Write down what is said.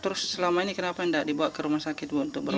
terus selama ini kenapa tidak dibawa ke rumah sakit untuk berobat